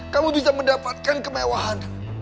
kamu bisa mendapatkan kemewahan